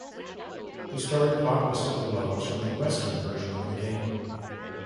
The story plot listed below is from the Western version of the game.